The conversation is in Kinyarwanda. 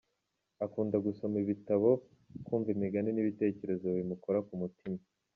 Akunda gusoma ibitabo, kumva imigani n’ibitekerezo bimukora ku mutima.